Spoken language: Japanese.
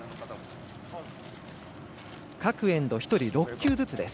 各エンド１人６球ずつです。